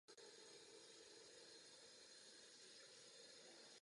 Největší zbylý pás lesa se nachází na západním svahu.